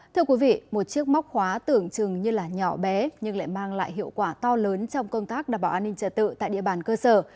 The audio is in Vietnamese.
thưa quý vị một chiếc móc khóa tưởng chừng như là nhỏ bé nhưng lại mang lại hiệu quả to lớn trong công tác đảm bảo an ninh trả tự tại địa bàn cơ sở